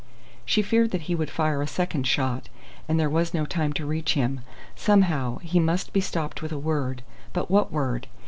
She feared that he would fire a second shot, and there was no time to reach him. Somehow, he must be stopped with a word but what word?